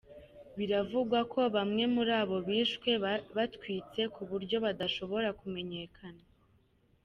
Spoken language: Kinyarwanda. Biravugwa ko bamwe muri abo bishwe batwitswe ku buryo badashobora kumenyekana.